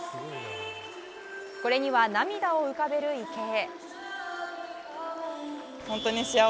これには涙を浮かべる池江。